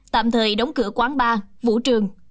tạm thời đóng cửa quán bar vũ trường